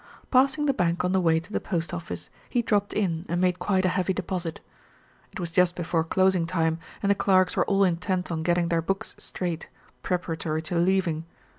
Passing the bank on the way to the post office, he dropped in and made quite a heavy deposit. It was just before closing time and the clerks were all intent on getting their books straight, preparatory to leaving.